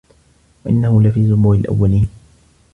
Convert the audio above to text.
وَإِنَّهُ لَفي زُبُرِ الأَوَّلينَ